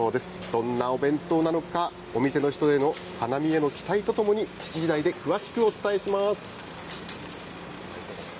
どんなお弁当なのか、お店の人へ花見への期待とともに７時台で詳しくお伝えします。